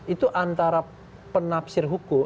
itu antara penafsir hukum